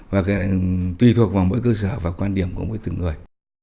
và cái này tùy thuộc vào mỗi cơ sở và quan điểm của mỗi từng người